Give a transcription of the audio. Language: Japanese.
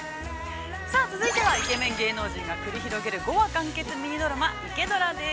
◆続いてはイケメン芸能人が来り広げる、５話完結ミニドラマ、「イケドラ」です。